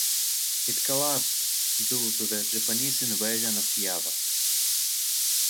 It collapsed due to the Japanese invasion of Java.